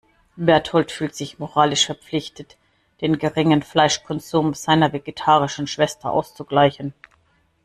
Bertold fühlt sich moralisch verpflichtet, den geringen Fleischkonsum seiner vegetarischen Schwester auszugleichen.